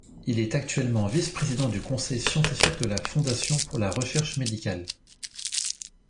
Il est actuellement vice-président du conseil scientifique de la fondation pour la recherche médicale.